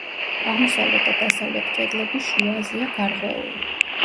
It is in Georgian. აღმოსავლეთ და დასავლეთ კედლები შუაზეა გარღვეული.